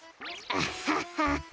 アハハハ！